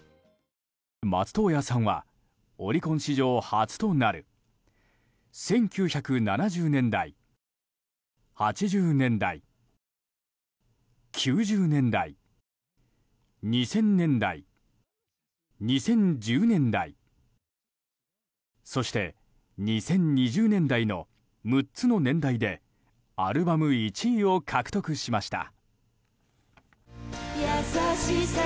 松任谷さんはオリコン史上初となる１９７０年代、８０年代９０年代２０００年代、２０１０年代そして、２０２０年代の６つの年代でアルバム１位を獲得しました。